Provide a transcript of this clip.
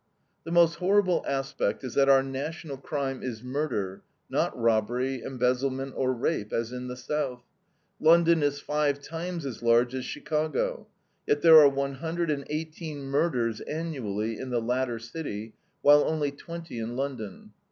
The most horrible aspect is that our national crime is murder, not robbery, embezzlement, or rape, as in the South. London is five times as large as Chicago, yet there are one hundred and eighteen murders annually in the latter city, while only twenty in London.